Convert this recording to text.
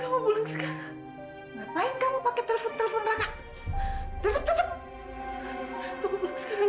pokoknya kamu pulang sekarang